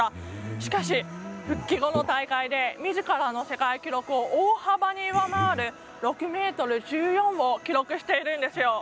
しかし、復帰後の大会でみずからの世界記録を大幅に上回る６ｍ１４を記録しているんですよ。